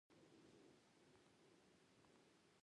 باز د قرباني مرغه تعقیبوي